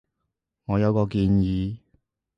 我有個建議